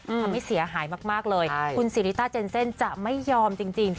อืมทำให้เสียหายมากมากเลยคุณศรีริตาเจนเซ่นจะไม่ยอมจริงจริง